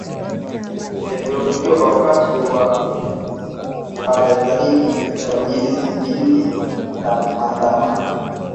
kujeruhiwa wakati wa zaidi ya miezi minne ya maandamano